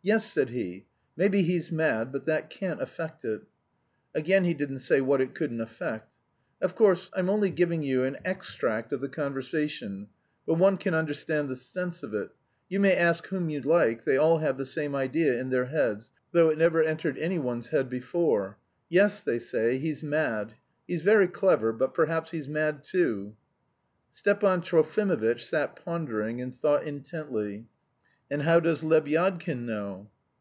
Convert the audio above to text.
'Yes,' said he, 'maybe he's mad, but that can't affect it....' Again he didn't say what it couldn't affect. Of course I'm only giving you an extract of the conversation, but one can understand the sense of it. You may ask whom you like, they all have the same idea in their heads, though it never entered anyone's head before. 'Yes,' they say, 'he's mad; he's very clever, but perhaps he's mad too.'" Stepan Trofimovitch sat pondering, and thought intently. "And how does Lebyadkin know?"